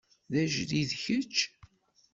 D ajdid kečč?